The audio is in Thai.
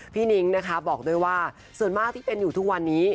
นิ้งนะคะบอกด้วยว่าส่วนมากที่เป็นอยู่ทุกวันนี้